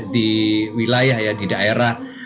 di wilayah ya di daerah